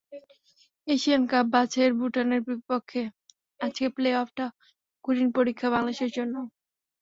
Asian cup বাছাইয়ের ভুটানের বিপক্ষে আজকের প্লে অফটা কঠিন পরীক্ষা বাংলাদেশের জন্য।